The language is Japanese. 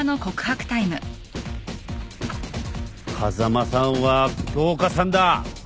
風間さんは京香さんだ！